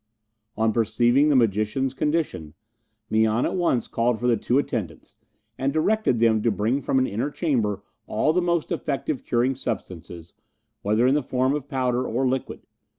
On perceiving the magician's condition, Mian at once called for the two attendants, and directed them to bring from an inner chamber all the most effective curing substances, whether in the form of powder or liquid.